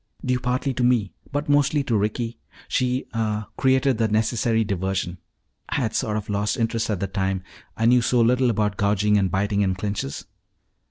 "Due partly to me, but mostly to Ricky. She ah created the necessary diversion. I had sort of lost interest at the time. I know so little about gouging and biting in clinches."